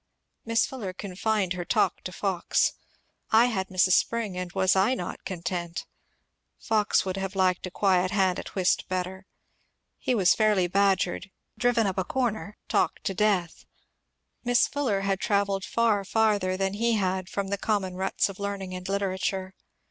Miss Fuller confined her talk to Fox. I had Mrs. Spring, and was 1 not content ? Fox would have liked a quiet hand at whist better. He was fairly badgered, driven up a comer, talked to deatL Miss Fuller had travelled far farther than he had from the coDimon ruts of learning and literature.